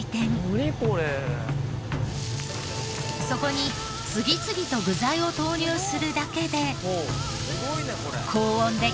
そこに次々と具材を投入するだけで。